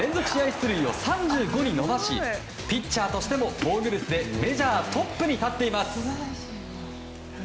出塁を３５に伸ばしピッチャーとしても、防御率でメジャートップに立っています。